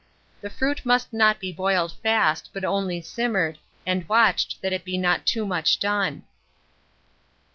The fruit must not be boiled fast, but only simmered, and watched that it be not too much done.